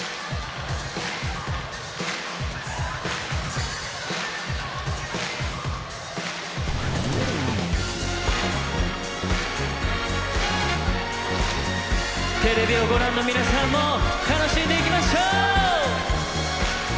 手拍子テレビをご覧の皆さんも楽しんでいきましょう。